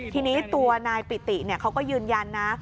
ทีนี้ตัวนายปิติเขาก็ยืนยันนะ